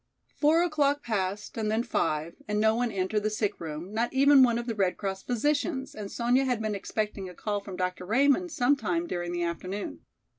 Four o'clock passed and then five and no one entered the sick room, not even one of the Red Cross physicians, and Sonya had been expecting a call from Dr. Raymond some time during the afternoon.